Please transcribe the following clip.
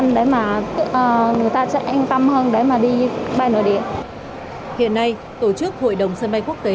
hiện nay tổ chức hội đồng sân bay quốc tế